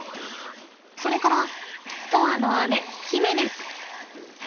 それから砥愛の姉媛です。